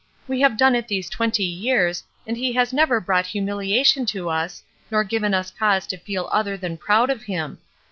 We have done it these twenty years, and he has never brought humiliation to us, nor given us cause to feel other than proud of him.